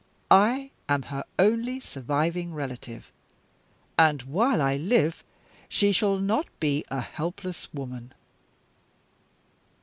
I am her only surviving relative; and, while I live, she shall not be a helpless woman."